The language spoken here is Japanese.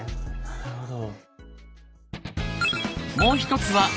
なるほど。